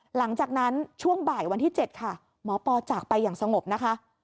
หลังจากนั้นช่วงบ่ายวันที่๗ค่ะหมอปอจากไปอย่างสงบนะคะ